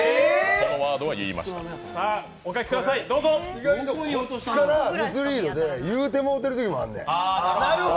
意外とミスリードで、言うてもうてるときもあるねん。